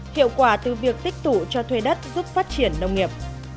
hiệu quả từ việc tích tụ cho thuê đất giúp phát triển nông nghiệp